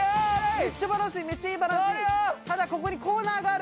未襪茵ただここにコーナーがある。